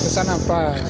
sekarang susah nafas